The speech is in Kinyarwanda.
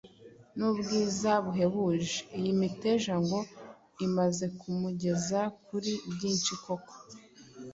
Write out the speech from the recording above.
n’ubwiza buhebuje. Iyi miteja ngo imaze kumugeza kuri byinshi kuko